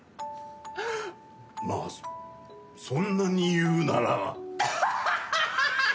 まあそんなに言うなら。